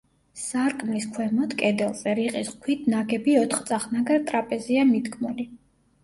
სარკმლის ქვემოთ, კედელზე, რიყის ქვით ნაგები ოთხწახნაგა ტრაპეზია მიდგმული.